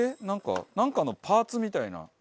なんかなんかのパーツみたいな。